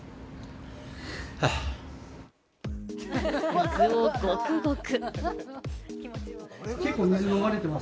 水をゴクゴク。